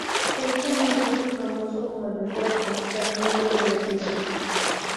Se hizo muy rico y famoso como el mejor oftalmólogo de la ciudad.